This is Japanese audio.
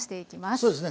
そうですね。